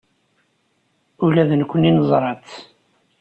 Ula d nekkni neẓra-tt.